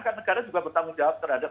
kan negara juga bertanggung jawab terhadap